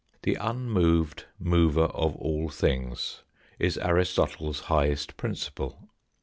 The unmoved mover of all things is Aristotle's highest principle.